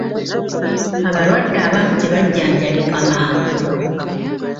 Abalwadde abamu tebajjanjabika mangu.